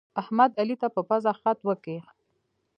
احمد، علي ته په پزه خط وکيښ.